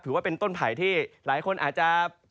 ว่าเป็นต้นไผ่ที่หลายคนอาจจะ